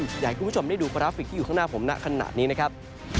อยากให้คุณผู้ชมได้ดูกราฟิกที่อยู่ข้างหน้าผมณขณะนี้นะครับ